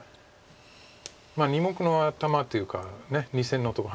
２目の頭というか２線のとこ